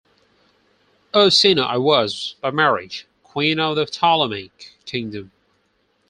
Arsinoe I was, by marriage, Queen of the Ptolemaic Kingdom.